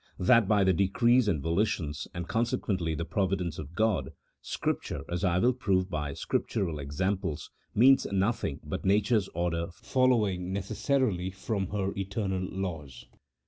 That by the decrees and volitions, and consequently the providence of G od, Scripture (as I will prove by Scrip tural examples) means nothing but nature's order following necessarily from her eternal laws.